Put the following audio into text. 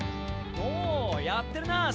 おやってるなあ